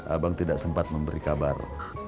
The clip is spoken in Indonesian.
abang tidak sempat memberi kabar